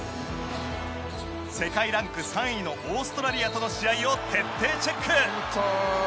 世界ランク３位のオーストラリアとの試合を徹底チェック。